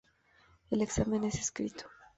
El examen es escrito.